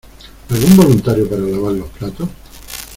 ¿Algún voluntario para lavar los platos?